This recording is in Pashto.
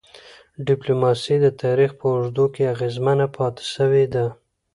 ډيپلوماسي د تاریخ په اوږدو کي اغېزمنه پاتې سوی ده.